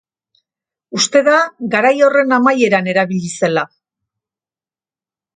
Uste da garai horren amaieran erabili zela.